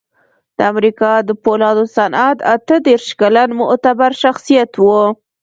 د امریکا د پولادو صنعت اته دېرش کلن معتبر شخصیت و